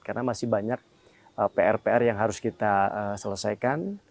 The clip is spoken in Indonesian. karena masih banyak pr pr yang harus kita selesaikan